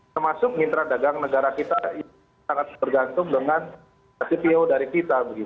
termasuk mitra dagang negara kita yang sangat bergantung dengan cpo dari kita